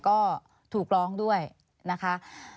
ก็ถูกร้องด้วยนะคะ